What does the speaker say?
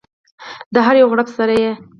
د هر یو غړپ سره یې